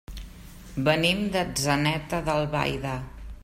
Venim d'Atzeneta d'Albaida.